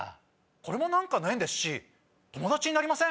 これも何かの縁ですし友達になりません？